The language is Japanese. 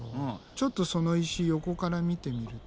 ちょっとその石横から見てみると。